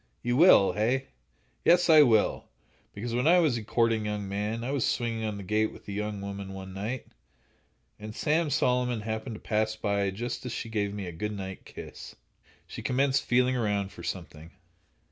"You will, hey?" "Yes, I will; because when I was a courting young man, I was swinging on the gate with a young woman, one night, and Sam Solomon happened to pass by just as she gave me a good night kiss." She commenced feeling around for something.